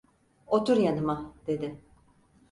Otur yanıma!" dedi.